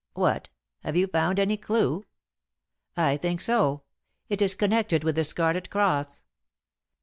"What? Have you found any clue?" "I think so. It is connected with the Scarlet Cross."